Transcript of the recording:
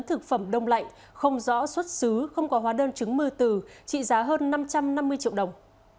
thực phẩm đông lạnh không rõ xuất xứ không có hóa đơn chứng mưa tử trị giá hơn năm trăm năm mươi triệu đồng